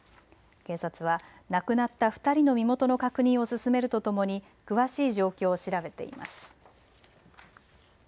警察は亡くなった２人の身元の確認を進めるとともに詳しい状況を調べています。